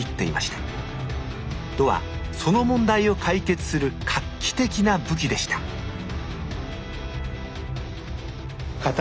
弩はその問題を解決する画期的な武器でしたそうですよね。